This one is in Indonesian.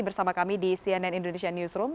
bersama kami di cnn indonesia newsroom